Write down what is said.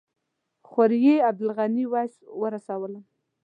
خوريي عبدالغني ویس ورسولم.